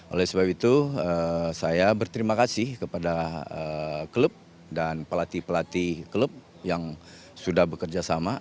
oleh sebab itu saya berterima kasih kepada klub dan pelatih pelatih klub yang sudah bekerja sama